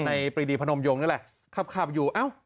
ในปรีดีพนมยงค์นี่แหละขับขับอยู่เอ้า